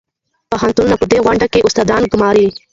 پوهنتونونه په دې غونډه کې استادان ګماري.